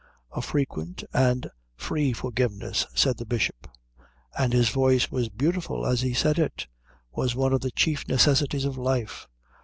A frequent and free forgiveness, said the Bishop, and his voice was beautiful as he said it, was one of the chief necessities of life.